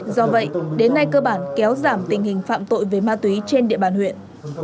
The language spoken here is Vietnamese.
do vậy đến nay cơ bản kéo giảm tình hình phạm tội về ma túy trên địa bàn huyện